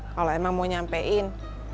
kalau emang mau sampein